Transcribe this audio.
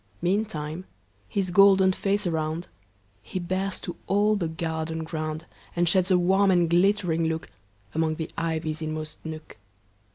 Meantime his golden face aroundHe bears to all the garden ground, And sheds a warm and glittering lookAmong the ivy's inmost nook.